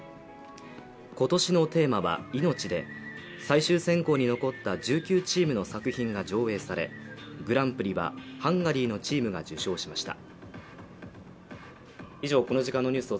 今年のテーマは「命」で最終選考に残った１９チームの作品が上映され、グランプリはハンガリーのチームが受賞しました。